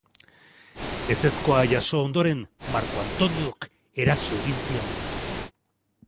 Ezezkoa jaso ondoren, Marko Antoniok eraso egin zion.